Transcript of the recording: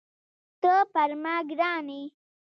ته پر ما ګران یې.